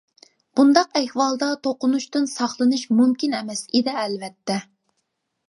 بۇنداق ئەھۋالدا توقۇنۇشتىن ساقلىنىش مۇمكىن ئەمەس ئىدى، ئەلۋەتتە.